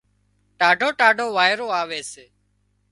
ٽاڍو ٽاڍو وارئيرو آوي سي